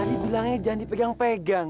hadi bilang aja jangan dipegang pegang